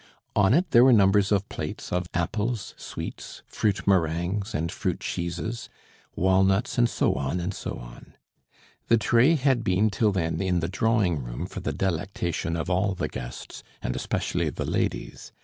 On it there were numbers of plates of apples, sweets, fruit meringues and fruit cheeses, walnuts and so on, and so on. The tray had been till then in the drawing room for the delectation of all the guests, and especially the ladies.